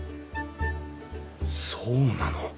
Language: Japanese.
そうなの？